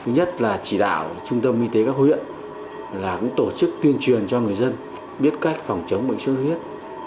nhất là chỉ đạo trung tâm y tế các huyện là cũng tổ chức tuyên truyền cho người dân biết cách phòng chống bệnh sốt huyết